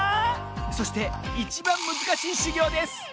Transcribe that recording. そしていちばんむずかしいしゅぎょうです